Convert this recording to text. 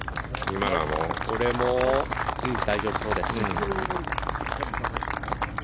これも大丈夫そうです。